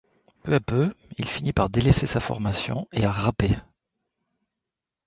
Peu à peu, il finit par délaisser sa formation et à rapper.